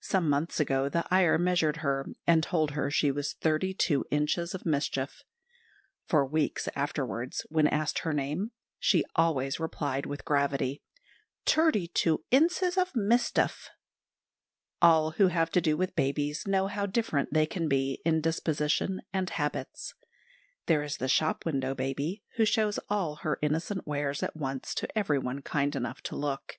Some months ago, the Iyer measured her, and told her she was thirty two inches of mischief. For weeks afterwards, when asked her name, she always replied with gravity, "Terty two inses of mistef." All who have to do with babies know how different they can be in disposition and habits. There is the shop window baby, who shows all her innocent wares at once to everyone kind enough to look.